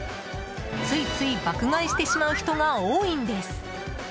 ついつい爆買いしてしまう人が多いんです。